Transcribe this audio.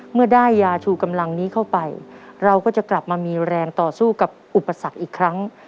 เมื่อได้ยาชูกำลังนี้เข้าไปเราก็จะกลับมามีแรงต่อสู้กับอุปสรรคอีกครั้ง